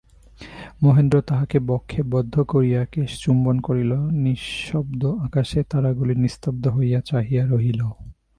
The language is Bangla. মহেন্দ্র তাহাকে বক্ষে বদ্ধ করিয়া কেশচুম্বন করিল–নিঃশব্দ আকাশে তারাগুলি নিস্তব্ধ হইয়া চাহিয়া রহিল।